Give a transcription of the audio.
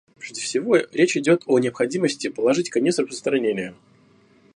Прежде всего речь идет о необходимости положить конец распространению.